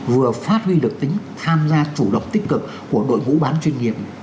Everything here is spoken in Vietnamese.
vừa phát huy được tính tham gia chủ động tích cực của đội ngũ bán chuyên nghiệp